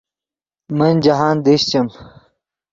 من جاہند دیشچیم